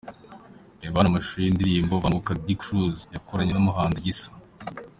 Reba hano amashusho y'indirimbo Banguka D Cruz yakoranye n'umuhanzi Gisa.